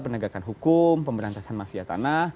pemberantasan hukum penegakan mafia tanah